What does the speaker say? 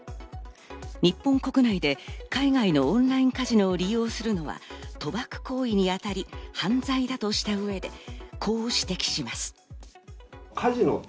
日本国内で海外のオンラインカジノを利用するのは賭博行為に当たり、犯罪だとした上でこう指摘します。